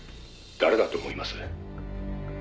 「誰だと思います？」